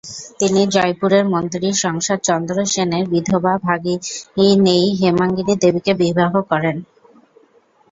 তিনি জয়পুরের মন্ত্রী সংসারচন্দ্র সেনের বিধবা ভাগিনেয়ী হেমাঙ্গিনী দেবীকে বিবাহ করেন।